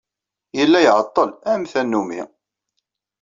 Yella iɛeṭṭel, am tannumi.